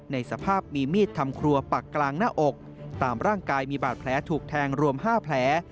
ในสภาพมีมีดทำครัวปักกลางหน้าอกตามร่างกายมีบาดแผลถูกแทงรวม๕แผล